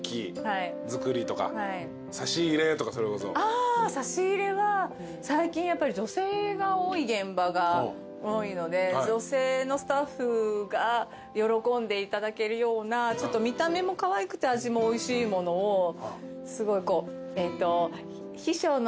ああ差し入れは最近女性が多い現場が多いので女性のスタッフが喜んでいただけるような見た目もかわいくて味もおいしいものをえっと。